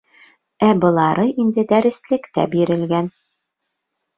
Ә былары инде дәреслектә бирелгән.